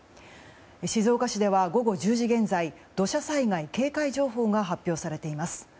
静岡市では午後１０時現在土砂災害警戒情報が発表されています。